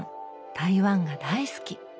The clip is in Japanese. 台湾が大好き。